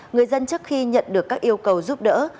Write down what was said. người dân trước khi nhận được các yêu cầu giúp đỡ